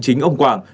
chính ông quảng